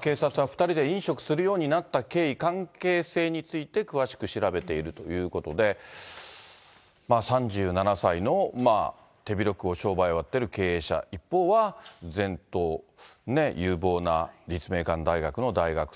警察は２人で飲食するようになった経緯、関係性について詳しく調べているということで、３７歳の手広くお商売をやってる経営者、一方は前途有望な立命館大学の大学生。